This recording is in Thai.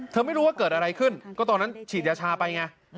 ไม่รู้ว่าเกิดอะไรขึ้นก็ตอนนั้นฉีดยาชาไปไง